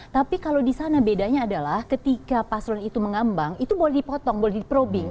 tapi kalau disana bedanya adalah ketika paslon itu mengambang itu boleh dipotong boleh diprobbing